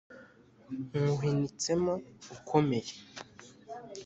Nywuhinitsemo ukomeye